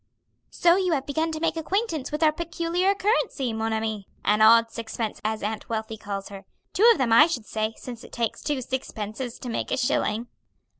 "So you have begun to make acquaintance with our peculiar currency, mon ami! An odd sixpence as Aunt Wealthy calls her. Two of them I should say, since it takes two sixpences to make a shilling."